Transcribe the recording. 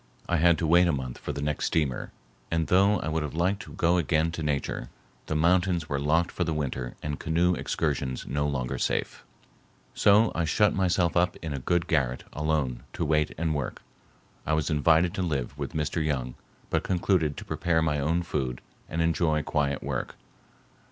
I had to wait a month for the next steamer, and though I would have liked to go again to Nature, the mountains were locked for the winter and canoe excursions no longer safe. So I shut myself up in a good garret alone to wait and work. I was invited to live with Mr. Young but concluded to prepare my own food and enjoy quiet work.